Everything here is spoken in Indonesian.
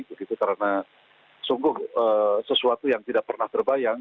begitu karena sungguh sesuatu yang tidak pernah terbayang